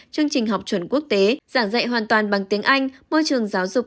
chương trình học chuẩn quốc tế giảng dạy hoàn toàn bằng tiếng anh môi trường giáo dục